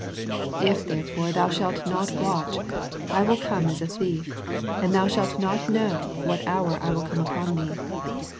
If therefore thou shalt not watch, I will come as a thief, and thou shalt not know what hour I will come upon thee."